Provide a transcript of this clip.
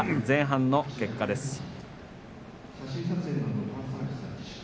前半の結果です。